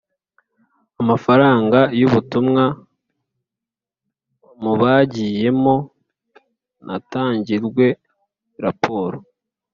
amafaranga y ubutumwa mu bagiyemo natangirwe raporo